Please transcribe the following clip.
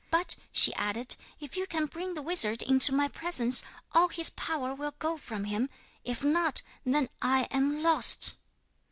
"But," she added, "if you can bring the wizard into my presence, all his power will go from him; if not, then I am lost."